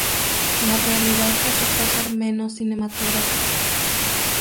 La realidad resultó ser menos cinematográfica.